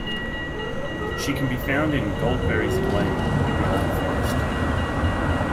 She can be found in "Goldberry's Glade" in the Old Forest.